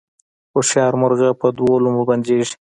هوښیار مرغه په دوو لومو بندیږي